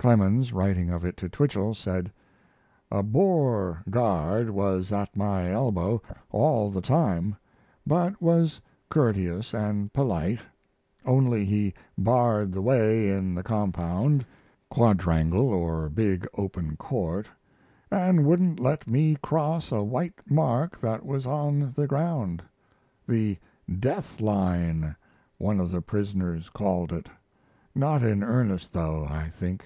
Clemens, writing of it to Twichell, said: A Boer guard was at my elbow all the time, but was courteous & polite, only he barred the way in the compound (quadrangle or big open court) & wouldn't let me cross a white mark that was on the ground the "deathline," one of the prisoners called it. Not in earnest, though, I think.